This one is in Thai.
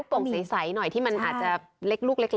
กล่องใสหน่อยที่มันอาจจะเล็กลูกเล็ก